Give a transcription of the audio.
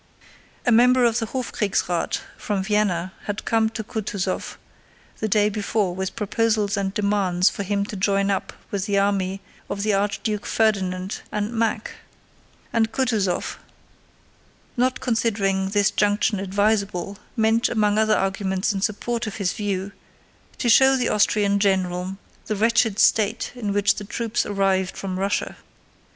A member of the Hofkriegsrath from Vienna had come to Kutúzov the day before with proposals and demands for him to join up with the army of the Archduke Ferdinand and Mack, and Kutúzov, not considering this junction advisable, meant, among other arguments in support of his view, to show the Austrian general the wretched state in which the troops arrived from Russia.